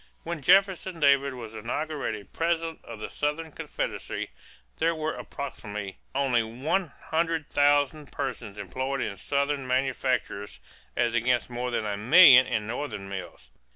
When Jefferson Davis was inaugurated President of the Southern Confederacy, there were approximately only one hundred thousand persons employed in Southern manufactures as against more than a million in Northern mills.